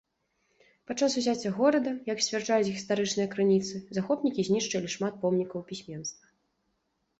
Падчас узяцця горада, як сцвярджаюць гістарычныя крыніцы, захопнікі знішчылі шмат помнікаў пісьменства.